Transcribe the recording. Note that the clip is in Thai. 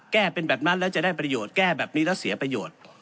แก้เป็นแบบนั้นแล้วจะได้ประโยชน์แก้แบบนี้แล้วเสียประโยชน์